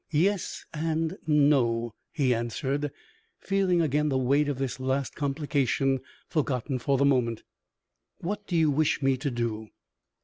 "Yes and no," he answered, feeling again the weight of this last complication, forgotten for the moment. "What do you wish me to do?"